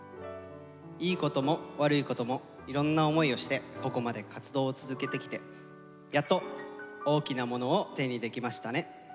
いいことも悪いこともいろんな思いをしてここまで活動を続けてきてやっと大きなものを手にできましたね。